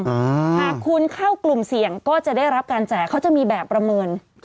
หากคุณเข้ากลุ่มเสี่ยงก็จะได้รับการแจกเขาจะมีแบบประเมิน